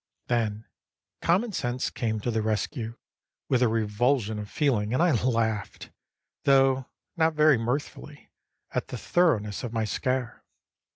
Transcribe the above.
Then common sense came to the rescue, with a revulsion of feeling, and I laughed though not very mirthfully at the thoroughness of my scare.